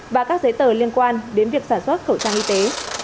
và các giấy tờ liên quan đến việc sản xuất khẩu trang y tế